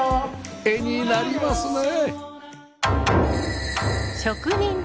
絵になりますねえ